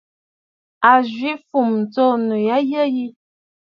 A zwì fûm tso annù a yəgə yi.